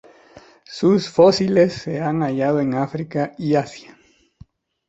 Sus fósiles se han hallado en África y Asia.